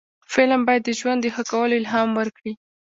فلم باید د ژوند د ښه کولو الهام ورکړي